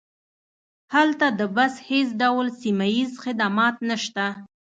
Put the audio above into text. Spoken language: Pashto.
هلته د بس هیڅ ډول سیمه ییز خدمات نشته